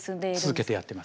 続けてやってます。